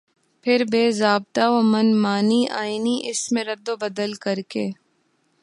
پھر بےضابطہ ومن مانی آئینی اس میں ردوبدل کرکے